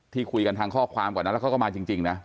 ที่คุยกันทางข้อความกว่านั้นแล้วเขาก็มาจริงนะ